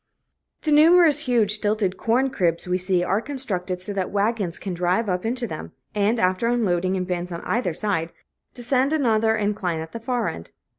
The numerous huge stilted corn cribs we see are constructed so that wagons can drive up into them, and, after unloading in bins on either side, descend another incline at the far end.